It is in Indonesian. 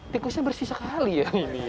tikusnya bersih sekali ya